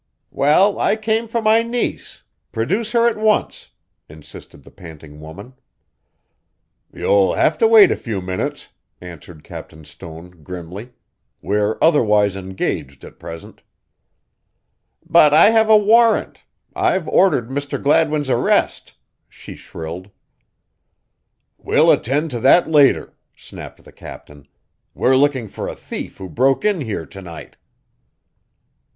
"Well, I came for my niece produce her at once," insisted the panting woman. "You'll have to wait a few minutes," answered Captain Stone, grimly. "We're otherwise engaged at present." "But I have a warrant I've ordered Mr. Gladwin's arrest!" she shrilled. "We'll attend to that later," snapped the captain. "We're looking for a thief who broke in here to night."